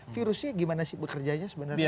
virusnya gimana sih bekerjanya sebenarnya